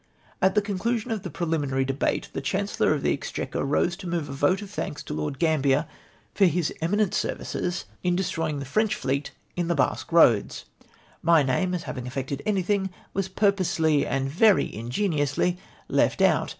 At th.e conclusion of the prehminary debate, the Chancellor of the Exchequer rose to move a vote of thanks to Lord Gambier for his eminent services in THE VOTE OF THANKS LEAVES OUT MY NAME, HI destroi/ing the French Jleet in the Basque Roads ! My name, as having effected anything, was purposely and very ingeniously left out!